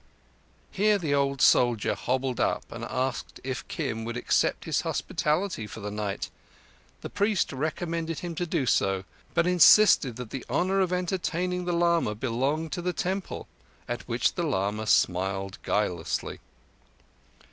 Here the old soldier bobbled up and asked if Kim would accept his hospitality for the night. The priest recommended him to do so, but insisted that the honour of entertaining the lama belonged to the temple—at which the lama smiled guilelessly.